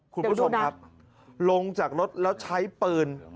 คุณผู้ชมครับลงจากรถแล้วใช้ปืน